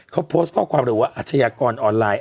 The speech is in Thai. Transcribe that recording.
เขาโพสต์ข้อความหรือว่าอาชญากรออนไลน์